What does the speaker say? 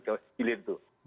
ke hilir itu